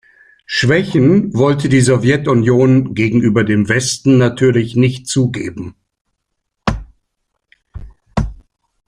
Schwächen wollte die Sowjetunion gegenüber dem Westen natürlich nicht zugeben.